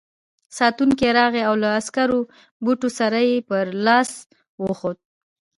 ساتونکی راغی او له عسکري بوټو سره یې پر لاس وخوت.